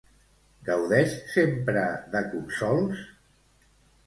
Gaudeix sempre de consols?